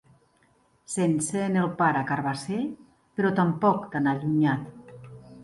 Se'n sent el pare carbasser, però tampoc tan allunyat.